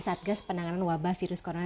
satgas penanganan wabah virus corona